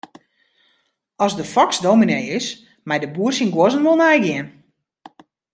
As de foks dominy is, mei de boer syn guozzen wol neigean.